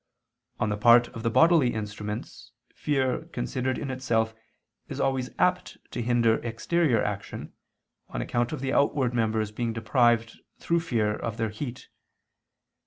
On the part of the bodily instruments, fear, considered in itself, is always apt to hinder exterior action, on account of the outward members being deprived, through fear, of their heat.